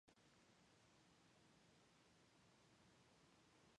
Participant in the Gaude Polonia scholarship program.